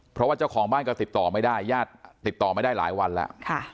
เพราะว่าเจ้าของบ้านก็ติดต่อไม่ได้ญาติติดต่อไม่ได้หลายวันแล้ว